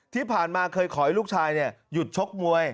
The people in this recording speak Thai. ที่ผ่านมาเคยขอให้ลูกชายหยุดชกมวย